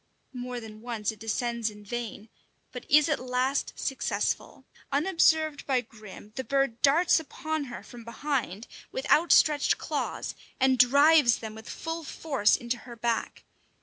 More than once it descends in vain, but is at last successful. Unobserved by Grim, the bird darts upon her from behind with outstretched claws, and drives them with full force into her back.